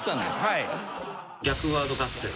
はい。